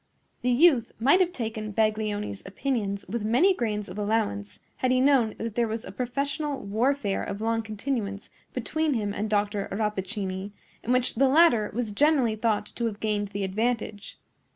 The youth might have taken Baglioni's opinions with many grains of allowance had he known that there was a professional warfare of long continuance between him and Dr. Rappaccini, in which the latter was generally thought to have gained the advantage.